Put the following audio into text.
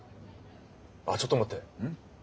あっちょっと待って。ん？